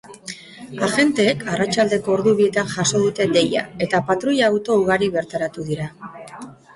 Agenteek arratsaldeko ordu bietan jaso dute deia, eta patruila-auto ugari bertaratu dira.